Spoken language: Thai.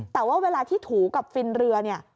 แต่ว่าเวลาที่ถูกับฟินเรือเนี่ย